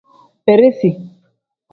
Beresi.